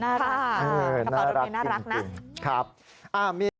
น่ารักจริงนะพ่อดูนี้น่ารักนะครับอ่ามี